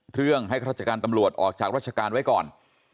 เครื่องให้ราชการตำรวจออกจากราชการไว้ก่อน